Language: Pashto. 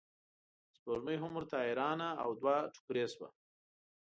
سپوږمۍ هم ورته حیرانه او دوه توکړې شوه.